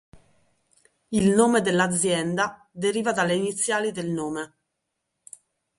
Il nome dell'azienda deriva dalle iniziali del nome.